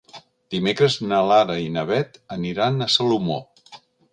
Dimecres na Lara i na Beth aniran a Salomó.